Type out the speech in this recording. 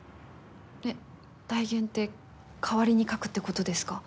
えっ代原って代わりに描くって事ですか？